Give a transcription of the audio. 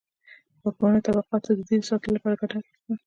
واکمنو طبقاتو د دې د ساتلو لپاره ګټه اخیسته.